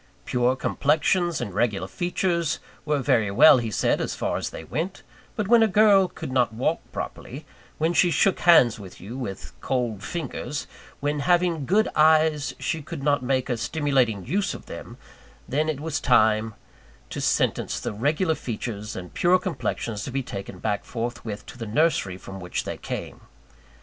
Pure complexions and regular features were very well, he said, as far as they went; but when a girl could not walk properly, when she shook hands with you with cold fingers, when having good eyes she could not make a stimulating use of them, then it was time to sentence the regular features and pure complexions to be taken back forthwith to the nursery from which they came.